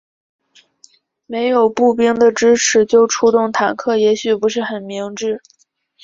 没有步兵的支持就出动坦克也许不是很明智。